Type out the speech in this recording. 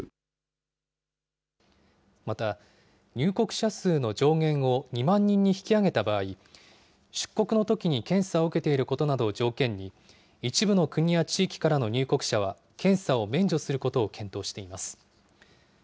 また、入国者数の上限を２万人に引き上げた場合、出国のときに検査を受けていることなどを条件に、一部の国や地域からの入国者は、検査を免除することを検討しています。